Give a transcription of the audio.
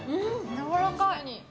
やわらかい。